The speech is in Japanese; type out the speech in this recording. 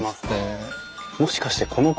もしかしてこの子。